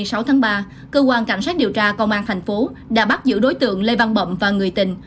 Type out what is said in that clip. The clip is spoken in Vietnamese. ngày sáu tháng ba cơ quan cảnh sát điều tra công an thành phố đã bắt giữ đối tượng lê văn bậm và người tình